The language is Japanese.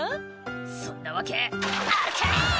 「そんなわけあるかい！」